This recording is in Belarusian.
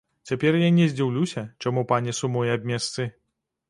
Цяпер я не дзіўлюся, чаму пані сумуе аб месцы.